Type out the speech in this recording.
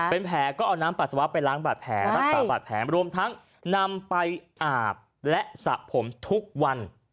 เป็นแผลก็เอาน้ำปัสสาวะไปล้างบาดแผลรักษาบาดแผลรวมทั้งนำไปอาบและสระผมทุกวัน